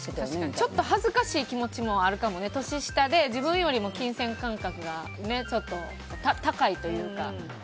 ちょっと恥ずかしい気持ちもあるかもね年下で、自分よりも金銭感覚が高いというか。